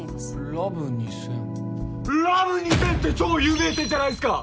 ラブ２０００ラブ２０００って超有名店じゃないっすか！